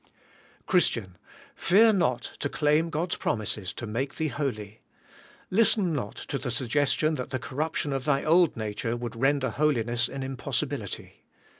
Christian, fear not to claim God's promises to make thee holy. Listen not to the suggestion that the cor ruption of thy old nature would render holiness an impossibility.